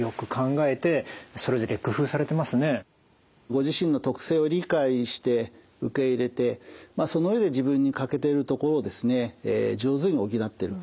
ご自身の特性を理解して受け入れてその上で自分に欠けているところを上手に補っている。